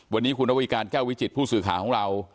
วันนี้คุณระวีการแก้ววิจิตผู้สื่อข่าวของเรา